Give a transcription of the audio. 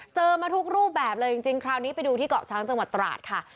มาทุกรูปแบบเลยจริงคราวนี้ไปดูที่เกาะช้างจังหวัดตราดค่ะ